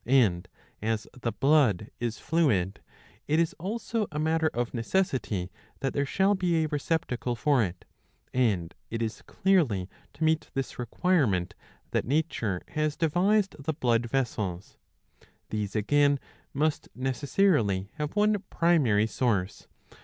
And, as the blood is fluid, it is also a matter of necessity that there shall be a receptacle for it ; and it is clearly to meet this requirement that nature has devised the blood vessels. These, again, must necessarily have one primary source.